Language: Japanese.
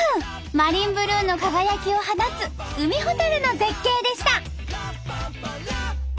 マリンブルーの輝きを放つウミホタルの絶景でした！